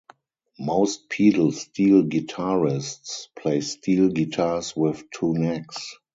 Most pedal steel guitarists play steel guitars with two necks.